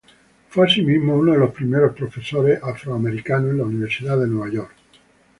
Fue, asimismo, uno de los primeros profesores afroamericanos en la Universidad de Nueva York.